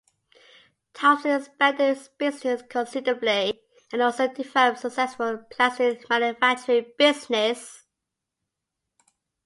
Thompson expanded the business considerably and also developed a successful plastics manufacturing business.